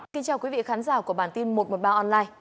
xin chào quý vị khán giả của bản tin một trăm một mươi ba online